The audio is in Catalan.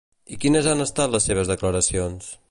I quines han estat les seves declaracions?